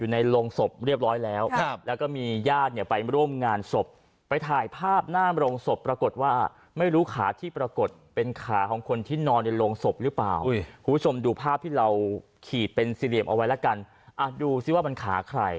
ในโรงศพเรียบร้อยแล้วครับแล้วก็มีญาติเนี่ยไปร่วมงานศพไปถ่ายภาพหน้าโรงศพปรากฏว่าไม่รู้ขาที่ปรากฏเป็นขาของคนที่นอนในโรงศพหรือเปล่าคุณผู้ชมดูภาพที่เราขีดเป็นสี่เหลี่ยมเอาไว้แล้วกันอ่ะดูสิว่ามันขาใคร